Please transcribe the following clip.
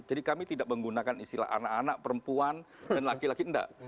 jadi kami tidak menggunakan istilah anak anak perempuan dan laki laki enggak